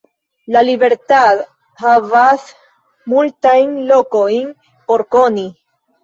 La Libertad havas multajn lokojn por koni.